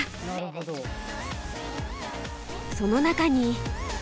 その中に。